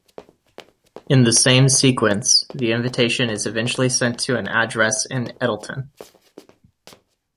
In the same sequence, the invitation is eventually sent to an address in Eddleton.